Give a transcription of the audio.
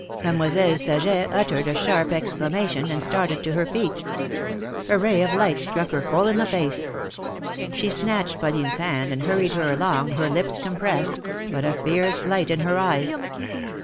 " Mademoiselle Saget uttered a sharp exclamation, and started to her feet. A ray of light struck her full in the face. She snatched Pauline's hand and hurried her along, her lips compressed, but a fierce light in her eyes.